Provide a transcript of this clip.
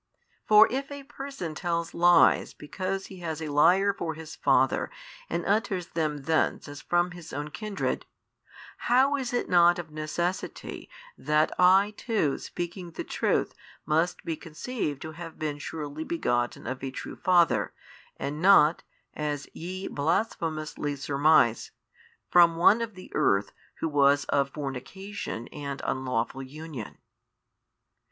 For if a person tells lies because he has a liar for his father and utters them thence as from his own kindred, how is it not of necessity that I too speaking the truth must be conceived to have been surely begotten of a True Father and not (as YE blasphemously surmised) from one of the earth who was of fornication and unlawful union?